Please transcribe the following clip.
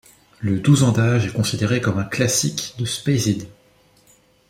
Le douze ans d'âge est considéré comme un classique de Speyside.